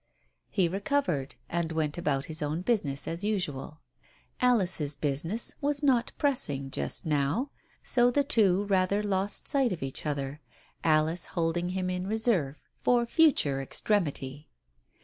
He recovered, and went about his own business as usual. Alice's business was not pressing just now, so the two rather lost sight of each other, Alice holding him in reserve for future extremity.